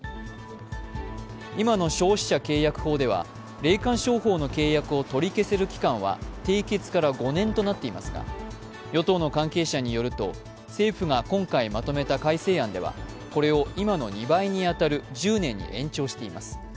今の消費者契約法では霊感商法の契約を取り消せる期間は締結から５年となっていますが与党の関係者によると政府が今回まとめた改正案ではこれを今の２倍に当たる１０年に延長しています。